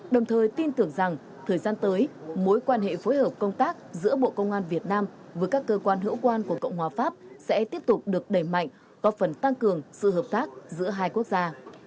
đồng thời tin tưởng rằng thời gian tới mối quan hệ phối hợp công tác giữa bộ công an việt nam với các cơ quan hữu quan của cộng hòa pháp sẽ tiếp tục được đẩy mạnh có phần tăng cường sự hợp tác giữa hai quốc gia